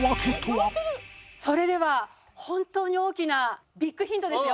それでは本当に大きなビッグヒントですよ。